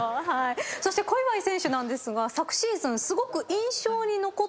そして小祝選手なんですが昨シーズンすごく。